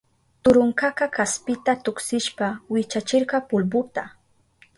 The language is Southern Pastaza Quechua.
Turunkaka kaspita tuksishpa wichachirka pulbuta.